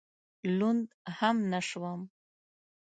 لوند هم نه شوم.